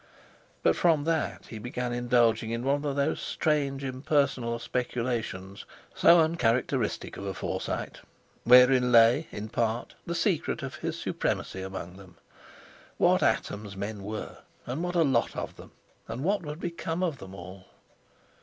But from that he began indulging in one of those strange impersonal speculations, so uncharacteristic of a Forsyte, wherein lay, in part, the secret of his supremacy amongst them. What atoms men were, and what a lot of them! And what would become of them all?